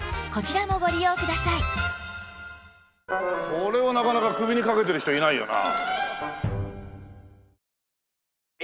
これをなかなか首にかけてる人いないよな。